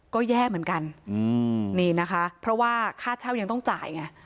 ก็แย่เหมือนกันนี่นะคะเพราะว่าค่าเช่ายังต้องจ่ายไง